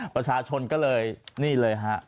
ประชาชนก็เลยนี่เลยฮะ